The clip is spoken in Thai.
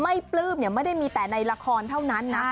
ไม่ปลื้บเนี่ยไม่ได้มีแต่ในละครเท่านั้นนะ